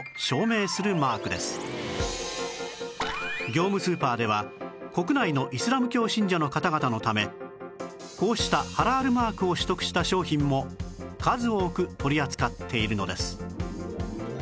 業務スーパーでは国内のイスラム教信者の方々のためこうしたハラールマークを取得した食品も数多く取り扱っているのです